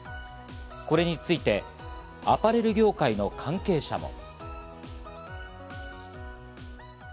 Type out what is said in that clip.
これについてアパレル業界の関係者も。